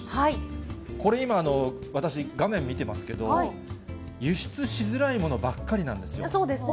これ今、私、画面見てますけど、輸出しづらいものばっかりなんでそうですね。